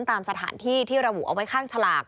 ตามสถานที่ที่ระบุเอาไว้ข้างฉลาก